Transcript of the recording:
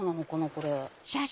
これ。